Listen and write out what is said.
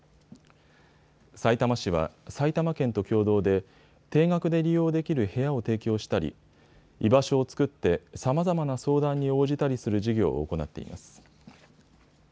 さいたま市は埼玉県と共同で低額で利用できる部屋を提供したり、居場所を作ってさまざまな相談に応じたりする事業を行っています。